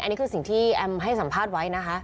อันนี้คือสิ่งที่แอมให้สัมภาษณ์ไว้นะคะ